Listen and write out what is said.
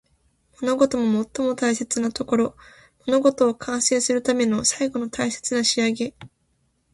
物事の最も大切なところ。物事を完成するための最後の大切な仕上げ。